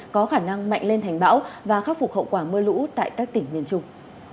có khả năng mạnh lên thành bão và khắc phục hậu quả mưa lũ tại các tỉnh miền trung